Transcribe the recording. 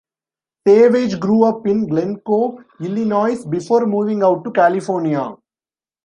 Savage grew up in Glencoe, Illinois, before moving out to California.